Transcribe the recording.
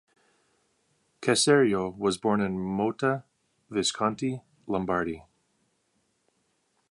Caserio was born in Motta Visconti, Lombardy.